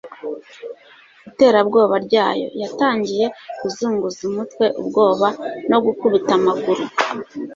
iterabwoba ryayo. yatangiye kuzunguza umutwe ubwoba no gukubita amaguru